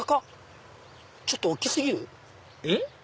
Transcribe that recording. ちょっと大き過ぎる？えっ？